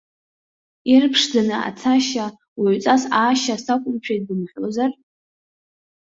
Ирԥшӡаны ацашьа, уаҩҵас аашьа сақәымшәеит бымҳәозар?